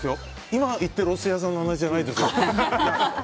今行ってるお寿司屋さんの話じゃないです。